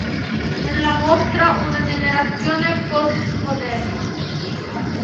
Nella mostra "Una generazione postmoderna.